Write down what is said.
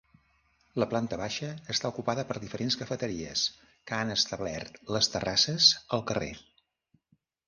La planta baixa està ocupada per diferents cafeteries que han establert les terrasses al carrer.